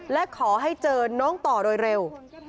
และขอให้เจอน้องต่อโดยเร็ว